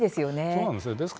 そうなんです。